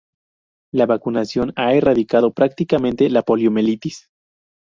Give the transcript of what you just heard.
La vacunación ha erradicado prácticamente la Poliomielitis.